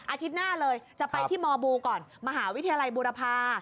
อาทิตย์หน้าเลยจะไปที่มบูก่อนมหาวิทยาลัยบูรพา